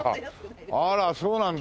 あらそうなんだ。